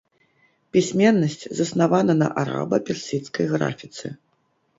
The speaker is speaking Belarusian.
Пісьменнасць заснавана на араба-персідскай графіцы.